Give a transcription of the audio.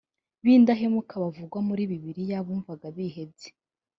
b indahemuka bavugwa muri bibiliya bumvaga bihebye